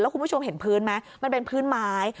คุณผู้ชมเห็นพื้นไหมมันเป็นพื้นไม้